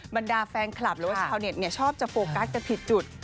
มันดาแฟนคลับแล้วว่าชาวเน็ตเนี่ยชอบจะโฟกัสจะผิดจุด